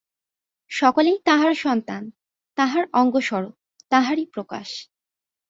সকলেই তাঁহার সন্তান, তাঁহার অঙ্গস্বরূপ, তাঁহারই প্রকাশ।